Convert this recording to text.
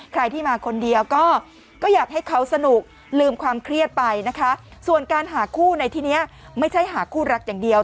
ใครที่มาคนเดียวก็อยากให้เขาสนุกลืมความเครียดไปนะคะส่วนการหาคู่ในที่นี้ไม่ใช่หาคู่รักอย่างเดียว